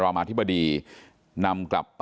ตลอดทั้งคืนตลอดทั้งคืน